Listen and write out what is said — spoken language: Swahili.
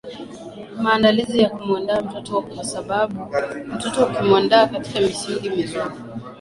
maandalizi ya kumwandaa mtoto kwa sababu mtoto ukimwandaa katika misingi mizuri